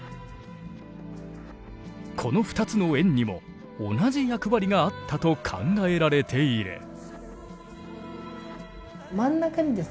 この２つの円にも同じ役割があったと考えられている。